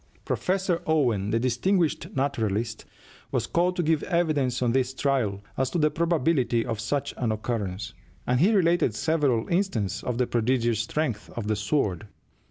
Professor Owen, the distinguished naturalist, was called to give evidence on this trial as to the probability of such an occurrence, and he related several instances of the prodigious strength of the "sword."